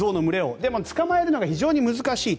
でも捕まえるのが非常に難しいと。